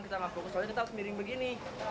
kita nggak fokus soalnya kita harus miring begini